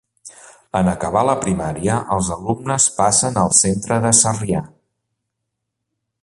En acabar la primària els alumnes passen al centre de Sarrià.